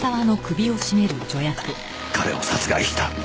彼を殺害した。